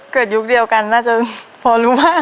เกิดยุคเดียวกันน่าจะพอรู้บ้าง